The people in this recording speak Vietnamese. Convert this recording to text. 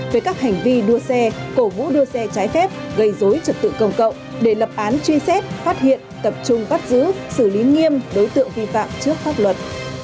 về các hành vi đua xe cổ vũ đua xe trái phép gây dối trật tự công cộng để lập án truy xét phát hiện tập trung bắt giữ xử lý nghiêm đối tượng vi phạm trước pháp luật